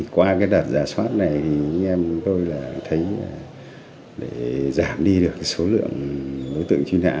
qua đợt giả soát này chúng em tôi thấy để giảm đi được số lượng đối tượng truy nã